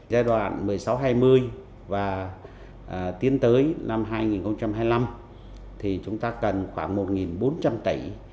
giai đoạn một mươi sáu hai mươi và tiến tới năm hai nghìn hai mươi năm thì chúng ta cần khoảng một bốn trăm linh tỷ